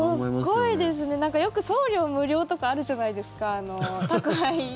すごいですねよく送料無料とかあるじゃないですか、宅配。